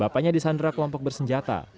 bapaknya disandrak lompok bersenjata